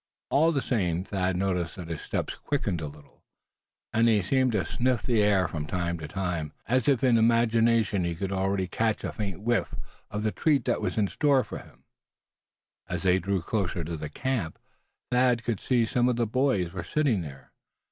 All the same Thad noticed that his steps quickened a little, and he seemed to sniff the air from time to time, as if in imagination he could already catch a faint whiff of the treat in store for him. As they drew closer to the camp Thad could see that some of the boys were sitting there.